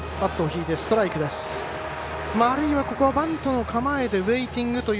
あるいは、ここはバントの構えでウェイティングという